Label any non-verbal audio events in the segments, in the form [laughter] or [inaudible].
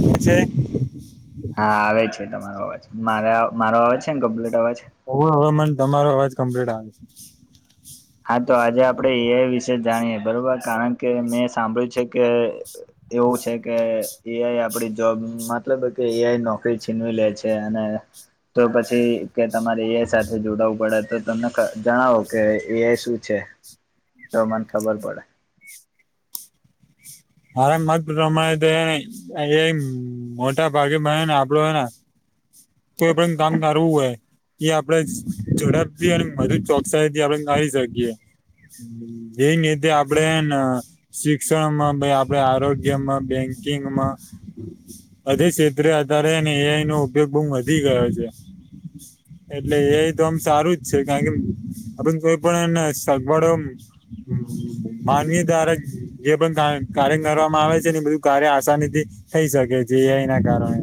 હુ છે? હા આવે જ છે તમારો અવાજ, મારે મારો અવાજ છે ને કમ્પ્લીટ અવાજ. હવો હવે મને તમારો અવાજ કમ્પ્લીટ આવે છે. હા તો આજે આપડણે એ આઈ વિશે જાણીએ બરોબર કારણ કે મેં સાંભળ્યું છે કે એવું છે. કે એ આઈ આપડી જોબ મતલબ કે એ આઈ નોકરી છીનવી લે છે અને તો પછી કે તમારે એ સાથે જોડું પડે તો તમને જણાવો કે એ આઈ શું છે? તો મને ખબર પડે. મારા મત પ્રમાણે તો એ મોટા ભાગેમાં ને આપડો હોને. તો એ પણ કામ ધારવું હોય. આપણે ઝડપ થી અને મધુ ચોકસાઈ થી આપડણે નારી શકીએ. એ તે આપડે શિક્ષણમાંમે આપ આપડે આરોગ્યમાં બેંકિંગમાં. બધે ક્ષેત્રે આધારે એ આઈ નો ઉપયોગ બહુ વધી ગયો છે. એટલે એ તો આમ સારું જ છે કારણ કે અ કોઈ પણને સગવડો હમ માનવી દારજ જે બંધ કાર્ય કરવામાં આવે છે ને બધું કાર્ય આસાની થી, થઈ શકે છે એ આઈ ના કારણે.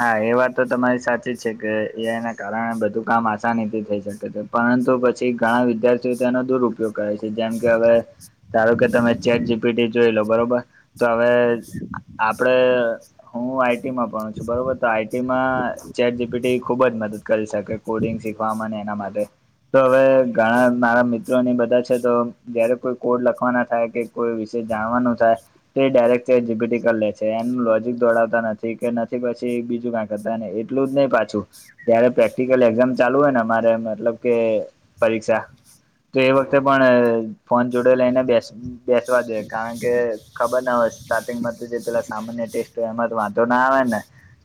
હા એ વાત તો તમારી સાચી જ છે કે એના કારણે બધું કામ આસાનીથી થઈ શકે છે. પરંતુ પછી ઘણા વિદ્યાર્થીઓ તેનો દુરપયોગ છે જેમ કે હવે, ધારો કે તમે ચેટ જી પી જોઈ લો બરોબર, તો હવે આપડે હું આઈ ટીમાં ભણુ છુ. બરોબર તો આઈ ટીમાં ચેટ જી પી ટી ખુબ જ મદદ કરી શકે કોડિંગ શીખવામાં એના માટે. તો હવે ઘણા મારા મિત્રો ની બધા છે. તો જયારે કોઈ કોડ લખવાના થાય કે કોઈ વિશે જાણવાનું થાય, તે ડાયરેક્ટ ચેટજીપીટ્રી લે છે એનું લોજિક દોડતા નથી કે પછી બીજું કાંક હતાને એટલું જ નહી પાછું. ત્યારે પ્રેક્ટિકલ એક્ઝામ ચાલુ હોય ને મારે મતલબ કે પરીક્ષા. તો એ વખતે પણ ફોન જોડે લઈને બેસે. બેસવા જોઈએ કારણ કે ખબર ના હોય સ્ટાર્ટિંગમાં તો જે પેલા સામાન્ય ટેસ્ટ હોય એમાં તો વાંધો ના આવે ને.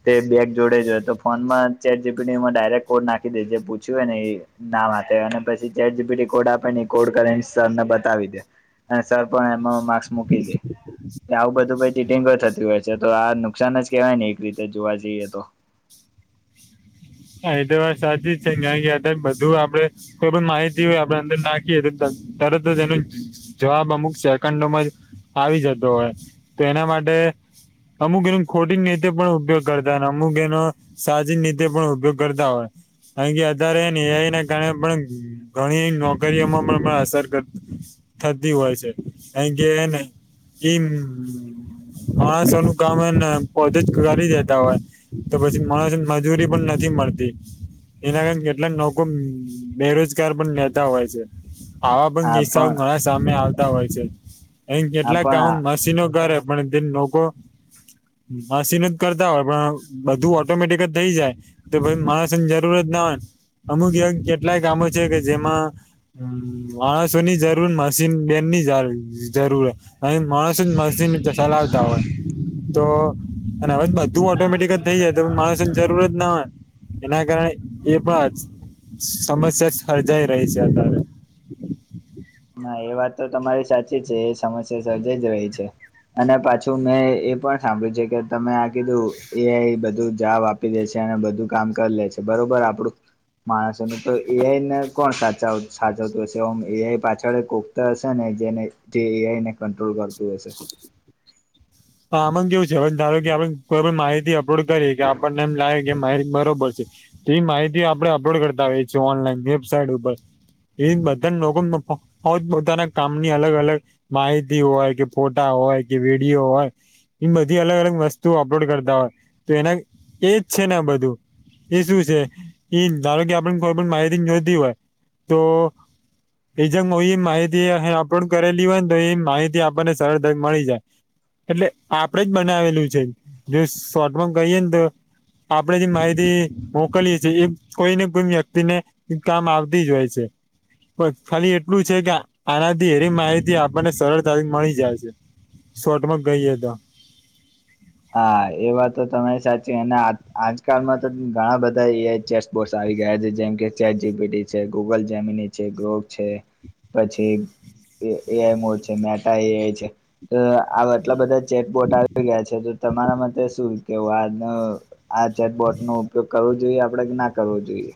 તે બેગ જોડે જો હોય તો ફોનમાં ચેટ જી પી ટી એમાં ડાયરેક્ટ કોડ નાખી દે જે પૂછ્યું હોય ને એ. ના વાંચે અને પછી ChatGPT code આપે ને કોડ કરીેને સરને બતાવી દે. હ સર પણ એમાં માર્ક્સ મૂકી દે, આવું બધું ચીગો થતી હોય છે તો આ નુકસાન જ કેવાય ને એક રીતે તે જોવા જઈએ તો. હા એ તો વાર સાચી જ છે. કારણ કે અત્યારે બધું આપડે કોઈ પણ માહિતી હોય આપડે અંદર નાખીએ તરત એનું જવાબ અમુક સેકન્ડોમાં આવી જતો હોય તો તેના માટે અમુક એનો ખોટી નીતે પણ ઉપયોગ કરતા અમુક એનો સાચી નિતે પણ ઉપયોગ કરતા હોય કારણ કે અત્યારે નિણયના કારણે પણ ઘણી નોકરીઓમાં પણ પણ અસર થતી હોય છે. કારણ કે એને એમ માણસો નું કામ એને પોતે જ કરી દેતા હોય તો પછી માણસો મજૂરી પણ નથી મળતી એના કારણે કેટલાક લોકો બેરોજગાર પણ લેતા હોય છે. આવા પણ કિસ્સાઓ ઘણા સામે આવતા હોય છે. અહી હા કેટલાક કામ પણ મશીનો કરે પણ તેમ લોકો મશીન જ કરતા હોય પણ બધું ઓટોમેટિક જ થઇ જાય તો પછી માણસને જરૂરત ના હોય અમુક કેટલાય કામો છે. કે જેમાં હ માણસોની જરૂર મશીન બેન ની જરૂર અહીંયા માણસો મશીન ચલાાવતા હોય તો અને હવે બધું ઓટોમેટિક નઈ જ તો માણસની જરૂરત ના હોય એના કારણે એ પણ સમસ્યા સર્જાઈ રહી છે. અત્યારે ના એ વાત તો તમારી સાચી છે. એ સમસ્યા સર્જાઈ જ રહી છે. અને પાછું મેં એ પણ સાંભળ્યું છે. કે તમે આ કીધું એ બધું જવાબ આપે આપી દે છે. અને બધું કામ કરી લે છે. બરોબર આપડું માણસો ને તો એઆઈને કોણ સાચવ સાચવતું હશે એઆઈ પાછું જ્યારે કોકતા હશે ને જેને એઆઈ કંટ્રોલ કરતું હશે [inaudible] હા આમમાં કેવું છે. હવે ધારો કે આપડે કોઈ પણ માહિતી અપલોડ કરીએ કે આપણને એમ લાગે કે માહિતી બરોબર છે. એ માહિતી આપણે અપલોડ કરતા હોઈ છીએ ઓનલાઈન વેબસાઇટ ઉપર એ બધા લોકો પો પોતાના કામની અલગ અલગ માહિતી હોય કે ફોટા હોય કે વિડીયો હોય એ બધી અલગ અલગ વસ્તુ અપલોડ કરતા હોય તો એના એજ છે. ને આ બધું એ શું છે. એ ધારો કે આપડે કોઈ પણ માહિતી જોતી હોય તો એજમ એ માહિતી અ અપલોડ કરેલી હોય ને તો એ માહિતી આપણને સરળતા મળી જાય એટલે આપડે જ બનાવેલું છે. જો શોટમાં કહીએ ને તો આપણેે જે માહિતી મોકલીએ છીએ એ કોઈને કોઈ વ્યક્તિને એ કામ આવતી જ હોય છે. પણ ખાલી એટલું છે. કે આનાથી એની માહિતી આપણને સરળતાથી મળી જાય છે. શોટમાં કઈ એ તો હા એવા તો તમે સાચી અને આજકાલમાં તો ઘણા બધા એઆઈ બોસ આવી ગયા છે. જેમ કે ચેટજીપીટી છે. ગુગલ જેમીની છે. ગ્રોગ છે. પછી એઆઈ મોડ છે. મેટા આઈ છે. આ આટલા બધા ચેટ બોટ આવી ગયા છે. તો તમારા મતે શું કેવું આ આ જેટબોટ નો ઉપયોગ કરવું જોઈએ આપણે કે ના કરવું જોઈએ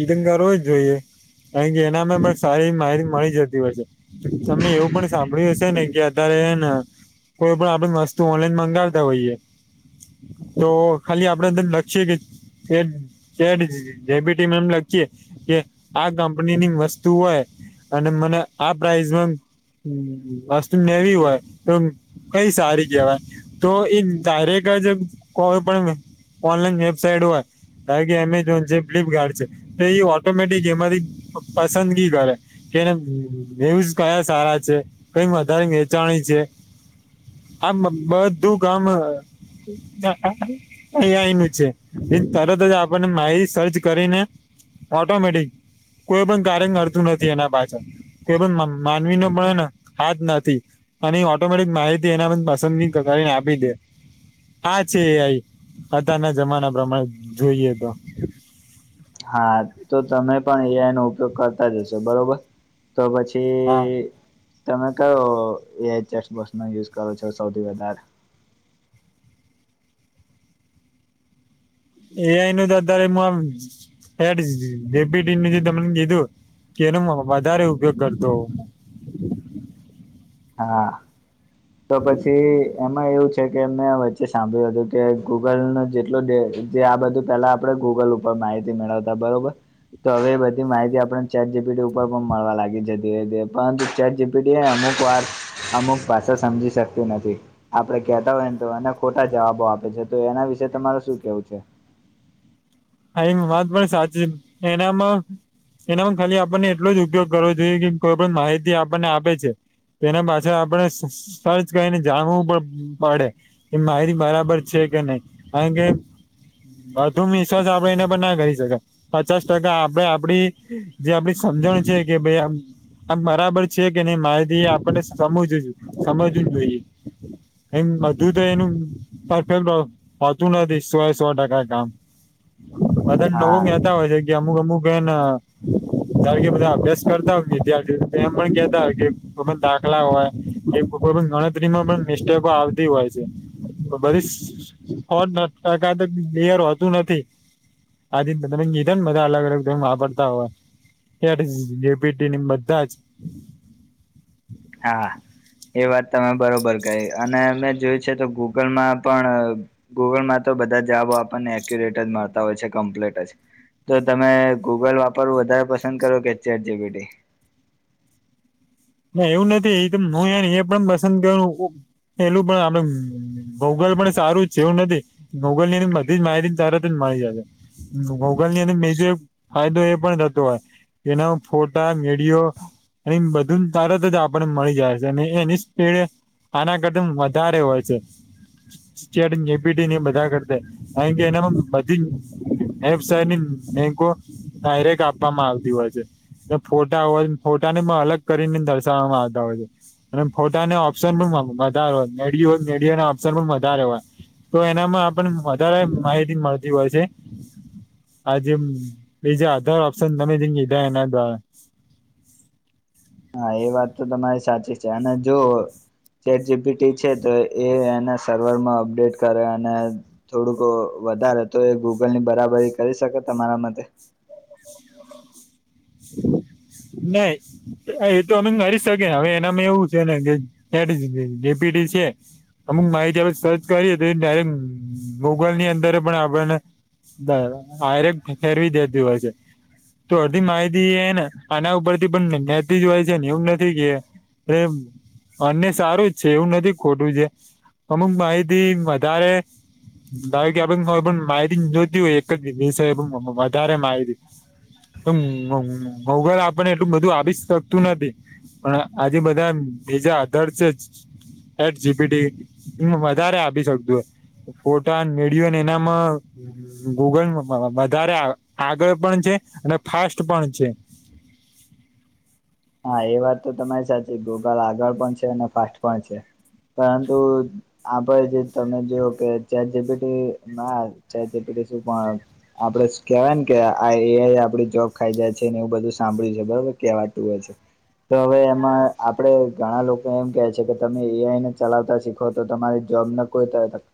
ઈદનગાર હોય જે કારકે એનામાં પણ સારી એવી માહિતી મળી જતી હોય છે. તમે એવું પણ સાંભળ્યું હશે ને કે અત્યારેને કોઈ પણ આપણેે વસ્તુ ઓનલાઈન મંગાવતા હોઈ એ તો ખાલી આપડે અંદર લખી કે એમ લખીએ, કે આ કંપની ની વસ્તુ હોય. અને મને આ પ્રાઈઝમાં હમ વસ્તુ મેળવવી હોય, તો કઈ સારી કહેવાય? તો એ ડાયરેક્ટ જ કોય પણ ને ઓનલાઈન વેબસાઇટ હોય, કારકે એમેઝોન છે ફ્લિપકાર્ટ. તો એ ઓટોમેટિક એમાંથી પસંદગી કરે. કે એને ન્યૂઝ કયા સારા છે, કઈ વધારે વેચાણી છે. આ બધું કામ અ એ આઇ નુ છે, એ તરત જ આપને માહિતી સર્ચ કરીને. ઓટોમેટિક, કોઈ પણ કારણ નડતુ નથી એના પાછળ. માનવી ન પણેને હાથ નથી. અને ઓટોમેટિક માહિતી એના પસંદગી કરીને આપી દે. હા આ છે એ આઇ, અત્યારના જમાના પ્રમાણે જોઈએ તો. હા તો તમે પણ એ એનો ઉપયોગ કરતા જ હશો બરોબર. તો હા પછી તમે કયો એ આઇ ચેટબોકસ નો યુઝ કરો છો સૌથી વધારે? એ આઈ નું તો અત્યારે આ ચેટ જિ પી ટી તે મને કીધું. કેનો વધારે ઉપયોગ કરતો હોવ. હા, તો પછી એમાં એવું કે મેં વચ્ચે સાંભળ્યું હતું કે ગૂગલ ન જેટલુ જે આ બધું પેલા આપડે ગૂગલ ઉપર માહિતી મેળવતા બરોબર. તો હવે એ બધી માહિતી આપણને ચેટ જી પી ટી ઉપર પણ મળવા લાગી છે ધીરે ધીરે પરંતુ ચેટ જી પી ટી અમુક વાર અમુક ભાષા સમજી શકતું નથી. આપડે કેતા હોય ને તો એને ખોટા જવાબો આપે છે તો એના વિશે તમાર શું કેવું છે? હા એ વાત પણ સાચી એનામાં એનામાં ખાલી આપણને એટલો જ ઉપયોગ કરવો જોઈએ કે કોઈ પણ માહિતી આપણને આપે છે. તેના પાછળ આપણે સર્ચ કરીને જાણવું પણ પડે. એ માહિતી બરાબર છે કે નહી, કારણ કે વધુ મી આપણે એના પણ ના કરી શકે. પચાસ ટકા આપડે આપણી, જે આપણી સમજણ છે કે ભાઈ આ આમ બરાબર છે કે ન માહિતી આપને સમજવુ સમજવું જોઈએ. એમ બધું તો એનું પરફેક્ટ હોતું નથી સો સો ટકા કામ. બધા હા નવું કેતા હોય છે કે અમુક અમુકને ધાર કે બધા અભ્યાસ કરતા હોય વિદ્યાર્થી એમ પણ કેતા હોય કે દાખલા હોય. એમ કોઈ પણ ગણતરીમાં પણ મિસટેકો આવતી હોય છે, બધી સો ટકા સાચું હોતુ નથી. અલગ અલગ વાપરતા હોય. ચેટજીપીટી ને બધા જ. હા. એ વાત તમે બરોબર કહી અને મે જોયું છે તો ગૂગલમાં પણ ગૂગલ માં તો બધા જવાબો આપણને એક્યુરેટ જ મળતા હોય છે કમ્પ્લીટ જ. તો તમે ગૂગલ વાપરવું વધારે પસંદ કરો કે ચેટ જી પી ટી? ના એવું નથી એ હું યાર એ પણ પસંદ કરુ છુ. એલું પણ આપડ ભૌગલ પણ સારું જ છે એવું નથી. ગૂગલ ની બધી જ માહિતી તરતજ મળી જશે. ગોગલ ની અને બીજો એક ફાયદો એ પણ થતો હોય. એના ફોટા વિડીયો અહીં બધું. તરત જ આપને મળી જાય છે અને એની સ્પીડ આના કરદમ વધારે હોય છે. જડ પીટી ને બધા કરતા થાય કે એનામાં બધી વેબસાઇટ એની ડાયરેક્ટ આપવામાં આવતી હોય છે એ ફોટા હોય ફોટા ને અલગ કરીને દસમાં આવતાળે. અને ફોટા ઓપ્શન પણ વધારે હોય મેડ હો મેડ ના ઓપ્શન પણ વધારે હોય. તો એનામાં આપને વધારે માહિતી મળતી હોય છે. આજે બીજ અધર ઓપ્શન તમે જધા એના હા એ વાત તો તમારી સાચી છે અને જો ચેર જીબી ટી છે તો એ એના સર્વરમાં અપડેટ કરે અને થોડુંક વધારે તો એ ગૂગલની બરાબર કરી શકે તમારા માટે [inaudible] નહી. એતો અમે કરીરી શકે હવે એનામાં એવું છે ને કે જેપી છે. અમુક માહિતી આપણે સર્ચ કરીએ તો એ ડાયરેક્ટ ગૂગલ ની અંદર પણ આપણને બ આરેક ફેરવી દેતીું હોય છે તો અડધી માહિતી ને આના ઉપર થી પણ નતી જ હોય છેને એવું નથી કે અને સારું જ છે એવું નથી ખોટું છે અમુક માહિતી વધારે ભાવ કે કો પણ માયી નતી હોય એક જ દસે પણ વધારે માહીતી. અગર આપણને એટલું બધું આવી શકતું નથી. પણ આજે બધા બીજા આધર છે જ એટ જીબીડી હ વધારે આપી શકજું હો ફોટા મેળયોને એનામાં ગૂગલ વધારે આગળ પણ છે અને ફાસ્ટ પણ છે. હા એ વાત તો તમારી સાચી ગૂગલ આગળ પણ છે અને ફાસ્ટ પણ છે પરંતુ આપ જે તમે જોઓ કે ચેપીટી ના ચેપીટી શું પણ આપડે કેવાય ને કે આ આપડી જોબ ખાઈ જાય છે ને એવું બધું સાંભળ્યું છે બરોબર કેવાત તો છે. તો હવે એમાં આપડે ઘણા લોકો એમ કે છે કે તમે એઆઈને ચલાવતા શીખો તો તમારી જોબને કોઈ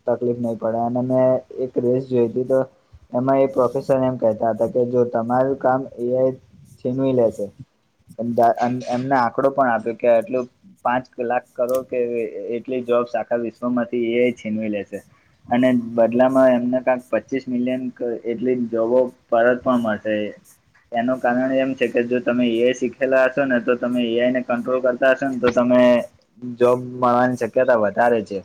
તકલીફ નહી પડે અને મેં એક રેસ જોઈ હતી તો એમાં એ પ્રોફેસર એમ કહેતા હતા કે જો તમારું કામ એ છીનવી લેશે. એમને આંકડો પણ આપ્યો કે એટલું. પાંચ લાખ કરોડ કે એટલી જોબ્સ આખા વિશ્વમાંથી એ છીનવી લેશે. અને બદલામાં એમને કંક પચીસ મિલિયન એટલી જોબો પરત પણ મળશે એનું કારણ એમ છે કે જો તમે એ શ ખેલા હશો ને તો તમે એઆઈને કંટ્રોલ કરતા હશો ને તો તમે જોબ મળવાની શક્યતા વધારે છે.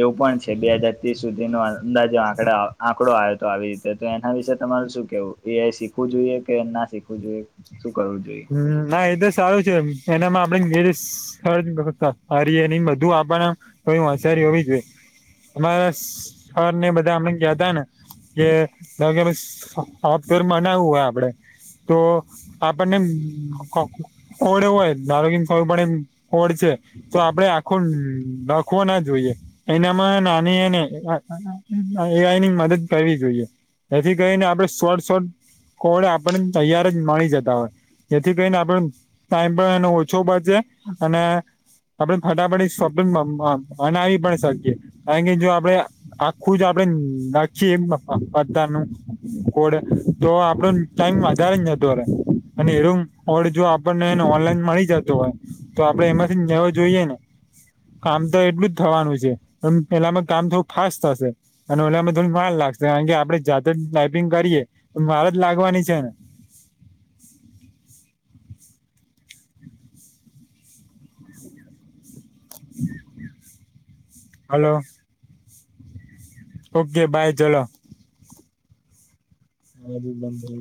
એવું પણ છે બે હાજાર ત્રીસ સુધીનો અંદાજો આંકડા આંકડો આવ્યો તો આવી તો એના વિશે તમારરે શું કેવું એઆઈ શીખવું જોઈએ કે ના શીખવું જોઈએ શું કરવું જોઈએ. હ ના એ તો સારું છે એનામાં આપડે જે રારી એ બધું આપણને. તોચારી હોવી જોઈએ અમારા સર ને બધા હમણા ગયા હતા ને. કે લગગ અફતર મનાવું હોય આપડે તો અને ઓડે હોય ધારો કેમ ખબર પડે એમ ઓડ છે. તો આપડે આખો લખવો ના જોઈએ. એનામાં નાની એને એઈની મદદ કરવી જોઈએ. એથી કરી ને આપડે સોડ સો કોડે આપડ તૈયાર જ મળી જતા હોય. જેથી કરીને આપણો ટાઈમ પણ એનો ઓછો બચે અને આપણે ફટાફટ શોપિંગમાં બનાવી પણ શકીએ કારણ કે જો આપડે આખું જ આપડે નાખીએ એમ પતા નું કોડ તો આપડું ટાઈમ વધારે જતો રહે. અને એનો ઓર્ડર જો આપણને ઓનલાઈન મળી જતો હોય તો આપડે એમાંથી લેવો જોઈએ ને. કામ તો એટલું જ થવાનું છે એ પેલામાં કામ થવું ફાસ્ટ થશે. અને ઓલેયામા થોડીક વાર લાગશે કાકે આપડે જાતે જ ટાઈપિંગ કરીએ તો વાર જ લાગવાની છે ને. હલો. ઓકે બાય ચલો. [inaudible]